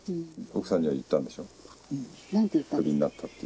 奥さんには言ったんでしょう